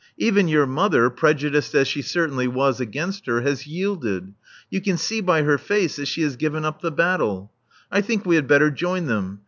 Even your mother, preju diced as she certainly was against her, has yielded. You can see by her face that she has given up the battle. I think we had better join them.